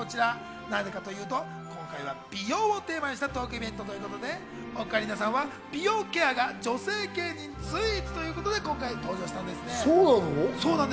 なぜかというと今回は美容をテーマにしたトークイベントということで、オカリナさんは美容ケアが女性芸人随一ということで今回登場しました。